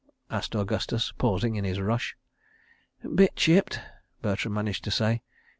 asked Augustus, pausing in his rush. "Bit chipped," Bertram managed to say.